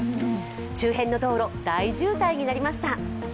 周辺の道路、大渋滞になりました。